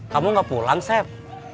kamu gak pulang seb